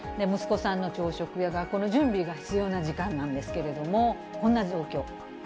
息子さんの朝食や学校の準備が必要な時間なんですけれども、こんな状況。